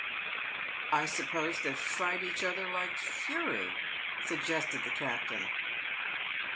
"I suppose they fight each other like fury?" suggested the captain.